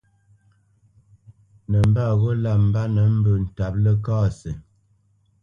Nəmbat ghó lǎ mbánə́ mbə́ ntǎp Ləkasi.